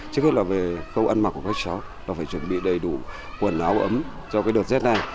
trước hết là về khâu ăn mặc của các cháu là phải chuẩn bị đầy đủ quần áo ấm cho cái đợt rét này